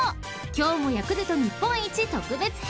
［今日もヤクルト日本一特別編］